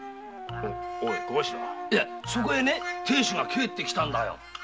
そこへ亭主が帰って来たんだよ。